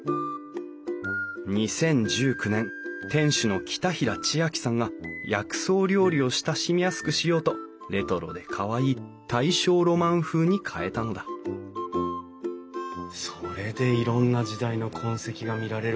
２０１９年店主の北平知亜季さんが薬草料理を親しみやすくしようとレトロでかわいい大正ロマン風に変えたのだそれでいろんな時代の痕跡が見られるわけですね。